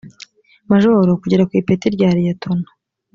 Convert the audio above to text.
majoro kugera ku ipeti rya liyetona